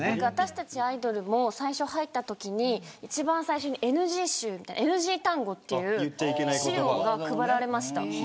私たちアイドルも最初入ったときに、一番最初にＮＧ集みたいにＮＧ単語っていう資料が配られました。